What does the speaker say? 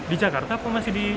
di jakarta pun masih di